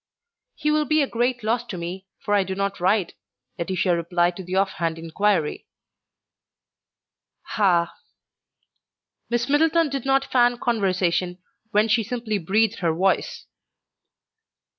"He will be a great loss to me, for I do not ride," Laetitia replied to the off hand inquiry. "Ah!" Miss Middleton did not fan conversation when she simply breathed her voice.